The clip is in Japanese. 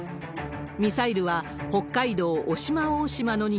ミサイルは北海道渡島大島の西